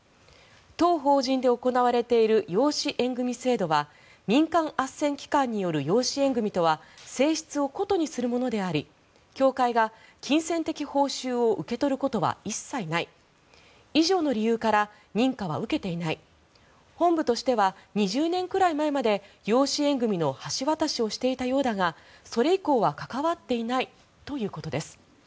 当法人で行われている養子縁組制度は民間あっせん機関による養子縁組とは性質を異にするものであり教会が金銭的報酬を受け取ることは一切ない以上の理由から認可は受けていない本部としては２０年くらい前まで養子縁組の橋渡しをしていたようだがそれ以降は関わっていないということです。